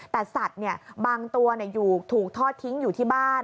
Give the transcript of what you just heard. แต่สัตว์บางตัวถูกทอดทิ้งอยู่ที่บ้าน